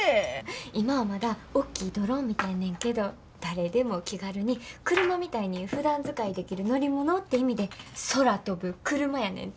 今はまだおっきいドローンみたいねんけど誰でも気軽に車みたいにふだん使いできる乗り物って意味で空飛ぶクルマやねんて。